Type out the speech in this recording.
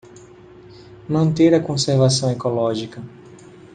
Manter a conservação ecológica